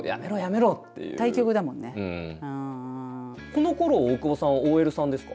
このころ大久保さんはＯＬさんですか？